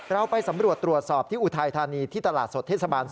เราไปสำรวจตรวจสอบที่อุทัยธานีที่ตลาดสดเทศบาล๒